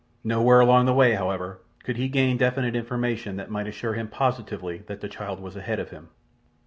Nowhere along the way, however, could he gain definite information that might assure him positively that the child was ahead of him.